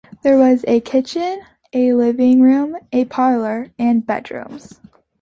There was a kitchen, a living room, a parlor and bedrooms.